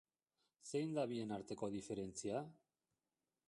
Zein da bien arteko diferentzia?